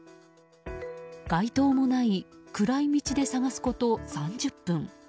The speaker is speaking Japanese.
街灯もない暗い道で捜すこと３０分。